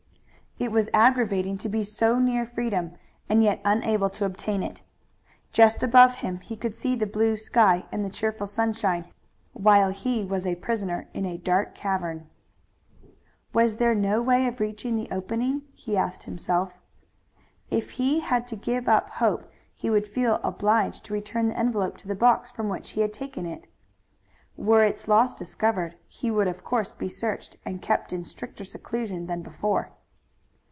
It was aggravating to be so near freedom and yet unable to obtain it. Just above him, he could see the blue sky and the cheerful sunshine, while he was a prisoner in a dark cavern. Was there no way of reaching the opening? he asked himself. If he had to give up hope he would feel obliged to return the envelope to the box from which he had taken it. Were its loss discovered he would of course be searched and kept in stricter seclusion than before.